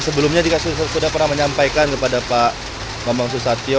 sebelumnya juga sudah pernah menyampaikan kepada pak bambang susatyo